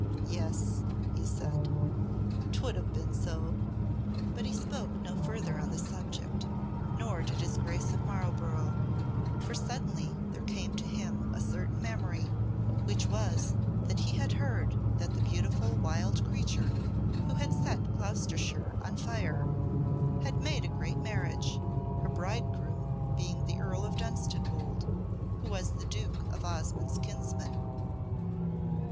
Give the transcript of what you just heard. "Yes," he said, "'twould have been so." But he spoke no further on the subject, nor did his Grace of Marlborough, for suddenly there came to him a certain memory which was that he had heard that the beautiful wild creature who had set Gloucestershire on fire had made a great marriage, her bridegroom being the Earl of Dunstanwolde, who was the Duke of Osmonde's kinsman.